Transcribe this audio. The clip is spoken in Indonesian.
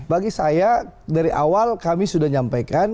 bagi saya dari awal kami sudah nyampaikan